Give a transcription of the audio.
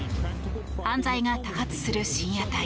犯罪が多発する深夜帯。